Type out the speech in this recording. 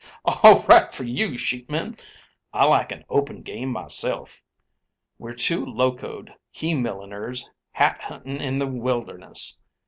"All right for you, sheepman. I like an open game, myself. We're two locoed he milliners hat hunting in the wilderness.